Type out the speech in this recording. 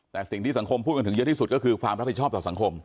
แต่สิ่งที่สังคมพูดกันถึงเยอะที่สุดก็คือความรับผิดชอบต่อสังคม